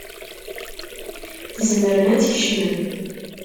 Tzemrem ad tkecmem.